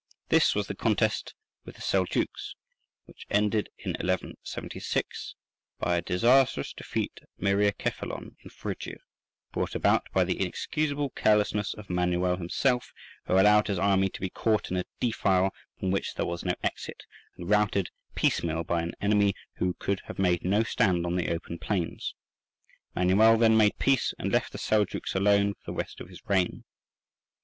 This was the contest with the Seljouks, which ended in 1176 by a disastrous defeat at Myriokephalon in Phrygia, brought about by the inexcusable carelessness of Manuel himself, who allowed his army to be caught in a defile from which there was no exit, and routed piecemeal by an enemy who could have made no stand on the open plains. Manuel then made peace, and left the Seljouks alone for the rest of his reign.